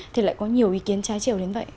thì lại có nhiều ý kiến trái chiều đến vậy